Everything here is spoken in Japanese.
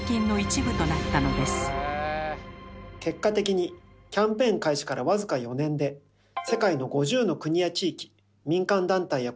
結果的にキャンペーン開始から僅か４年で世界の５０の国や地域民間団体や個人から約４，０００万ドル